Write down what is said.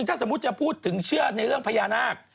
ถ้าสมมุติจะพูดถึงเชื่อในเรื่องพญานาค